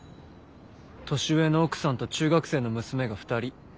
年上の奥さんと中学生の娘が２人。